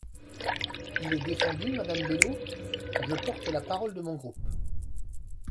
Il est défendu, madame Bello ? Je porte la parole de mon groupe.